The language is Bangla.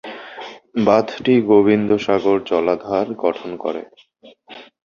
বাঁধটি গোবিন্দ সাগর জলাধার গঠন করে।